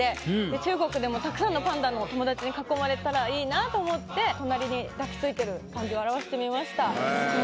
中国でもたくさんのパンダの友達に囲まれたら良いなと思って隣に抱きついてる感じを表してみました。